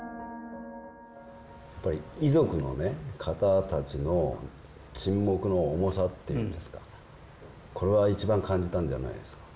やっぱり遺族の方たちの沈黙の重さっていうんですかこれは一番感じたんじゃないですか？